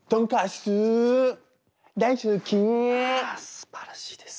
すばらしいです。